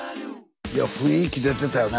いや雰囲気出てたよね